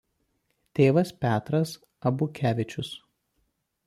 Tėvas Petras Abukevičius.